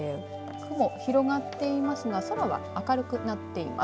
雲広がっていますが空は明るくなっています。